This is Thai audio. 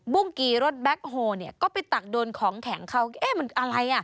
ุ้งกีรถแก๊คโฮเนี่ยก็ไปตักโดนของแข็งเขาเอ๊ะมันอะไรอ่ะ